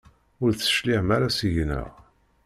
Ur d-tecliɛem ara seg-neɣ?